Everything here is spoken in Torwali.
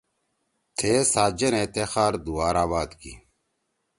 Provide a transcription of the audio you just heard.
تھئے سات جنے تے خار دُوار آباد کی۔